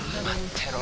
てろ